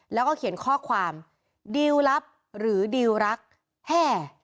แล้วก็เขียนข้อความดิวลลับหรือดิวรักแห่